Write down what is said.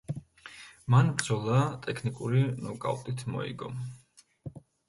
მან ბრძოლა ტექნიკური ნოკაუტით მოიგო.